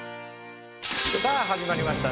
さあ始まりました